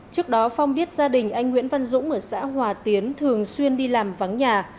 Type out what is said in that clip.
trước đó phong biết gia đình anh nguyễn văn dũng ở xã hòa tiến thường xuyên đi làm vắng nhà